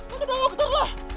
kau ke dokter lah